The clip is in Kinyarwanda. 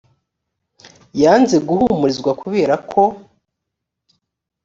yanze guhumurizwa kubera ko